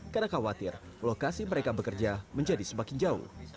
karena khawatir lokasi mereka bekerja menjadi semakin jauh